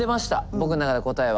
僕の中で答えは。